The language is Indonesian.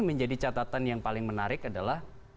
menjadi catatan yang paling menarik adalah